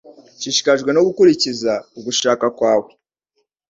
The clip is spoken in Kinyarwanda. Nshishikajwe no gukurikiza ugushaka kwawe